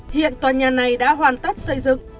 hiện tòa nhà này đã hoàn tất xây dựng